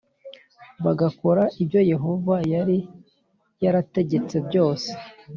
bagakora ibyo Yehova yari yarategetse byose